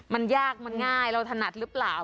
มันยากมันง่ายเราถนัดหรือเปล่า